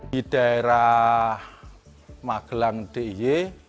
di daerah magelang diy